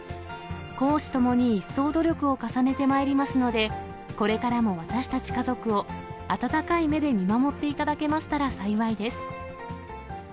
公私ともに一層努力を重ねてまいりますので、これからも私たち家族を温かい目で見守っていただけましたら幸いです。